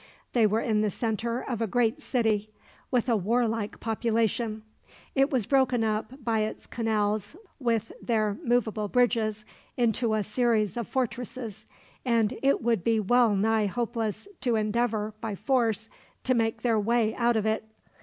They were in the center of a great city, with a warlike population. It was broken up, by its canals with their movable bridges, into a series of fortresses; and it would be well nigh hopeless to endeavor, by force, to make their way out of it.